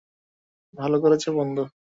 ভালো করেছ, বন্ধু।